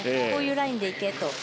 こういうラインで行けと。